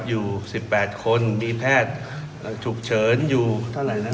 อยู่สิบแปดคนมีแพทย์เอ่อฉุกเฉินอยู่ถ้าไหนนะครับ